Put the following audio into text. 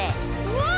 うわ！